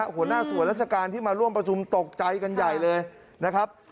หัวหน้าส่วนราชการที่มาร่วมประชุมตกใจกันใหญ่เลยนะครับ